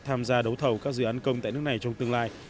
tham gia đấu thầu các dự án công tại nước này trong tương lai